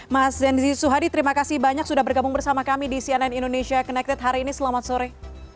mas zenzi suhadi terima kasih banyak sudah bergabung bersama kami di cnn indonesia connected hari ini selamat sore